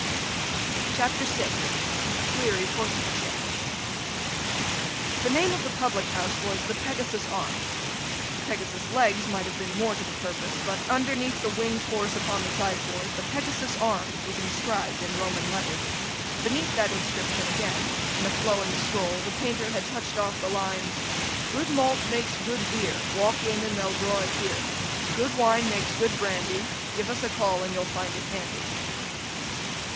CHAPTER VI SLEARY'S HORSEMANSHIP THE name of the public house was the Pegasus's Arms. The Pegasus's legs might have been more to the purpose; but, underneath the winged horse upon the sign board, the Pegasus's Arms was inscribed in Roman letters. Beneath that inscription again, in a flowing scroll, the painter had touched off the lines: Good malt makes good beer, Walk in, and they'll draw it here; Good wine makes good brandy, Give us a call, and you'll find it handy.